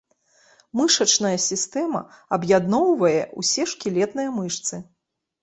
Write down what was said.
Мышачная сістэма аб'ядноўвае ўсе шкілетныя мышцы.